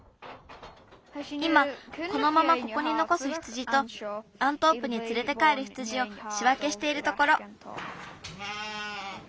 いまこのままここにのこす羊とアントープにつれてかえる羊をしわけしているところ。